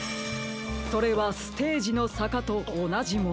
それはステージのさかとおなじもの。